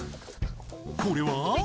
これは？